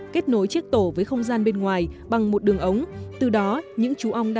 kết nối chiếc tổ với không gian bên ngoài bằng một đường ống